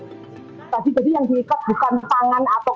seperti tadi yang diikat bukan